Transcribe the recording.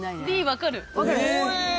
Ｄ分かる！